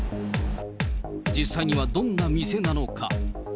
実際にはどんな店なのか。